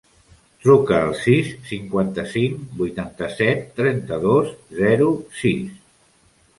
Truca al sis, cinquanta-cinc, vuitanta-set, trenta-dos, zero, sis.